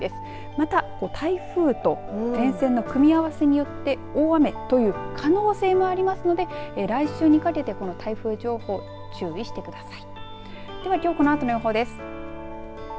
また台風と前線の組み合わせによって大雨という可能性もありますので来週にかけてこの台風情報注意してください。